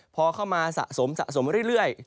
พอเข้ามาสะสมเรื่อย